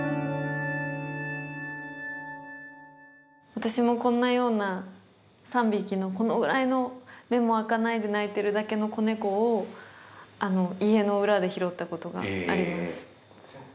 私もこんなような３匹のこのぐらいの目も開かないで鳴いてるだけの子猫を家の裏で拾ったことがあります。